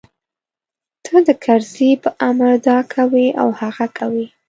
ته د کرزي په امر دا کوې او هغه کوې.